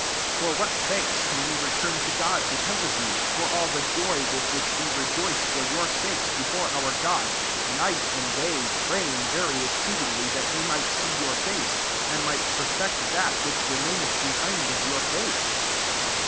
9 For what thanks can we return to God because of you, for all the joy with which we rejoice for your sakes before our God; 10 night and day praying very exceedingly, that we might see your face, and might perfect that which re maineth behind of your faith